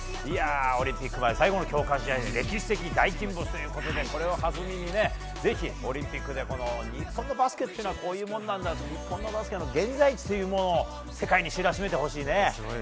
オリンピック前最後の強化試合で歴史的大金星ということでこれをはずみにぜひオリンピックで日本のバスケっていうのはこういうもんなんだ日本のバスケの現在地を世界に知らしめてほしいね。